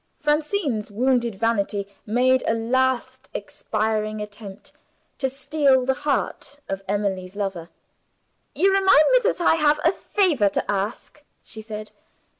Francine's wounded vanity made a last expiring attempt to steal the heart of Emily's lover. "You remind me that I have a favor to ask," she said.